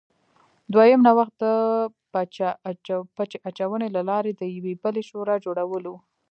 دویم نوښت د پچه اچونې له لارې د یوې بلې شورا جوړول و